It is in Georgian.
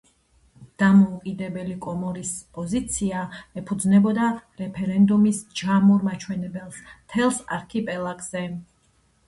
დამოუკიდებელი კომორის პოზიცია ეფუძნებოდა რეფერენდუმის ჯამურ მაჩვენებელს მთელ არქიპელაგზე.